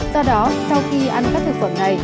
do đó sau khi ăn các thực phẩm này